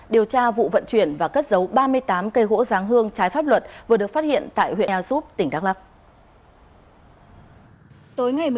điều tra vụ vận chuyển và cất giấu ba mươi tám cây gỗ giáng hương trái pháp luật vừa được phát hiện tại huyện ea súp tp long xuyên